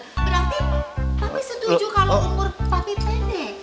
berarti papi setuju kalau umur papi pendek